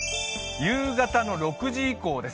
夕方の６時以降です。